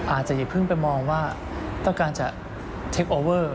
อย่าเพิ่งไปมองว่าต้องการจะเทคโอเวอร์